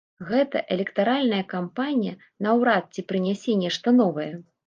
Гэтая электаральная кампанія наўрад ці прынясе нешта новае.